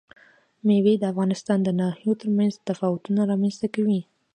مېوې د افغانستان د ناحیو ترمنځ تفاوتونه رامنځ ته کوي.